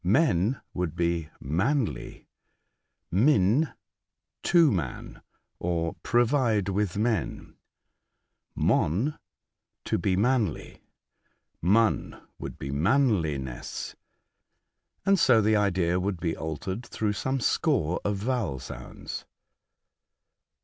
Men would be " manly.'* Min ''to man," or '' provide with men." Mon "to belRanly." Mun would be ''manliness." And so the idea would be altered through some score of vowel sounds.